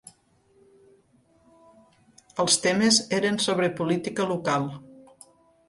Els temes eren sobre política local.